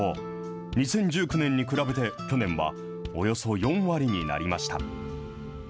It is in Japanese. ２０１９年に比べて去年はおよそ４割になりました。